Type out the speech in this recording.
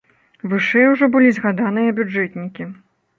Вышэй ужо былі згаданыя бюджэтнікі.